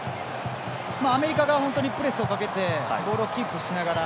アメリカが本当にプレスをかけてボールをキープしながら。